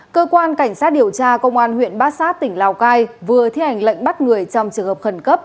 cơ quan cảnh sát điều tra công an huyện bát sát tỉnh lào cai vừa thi hành lệnh bắt người trong trường hợp khẩn cấp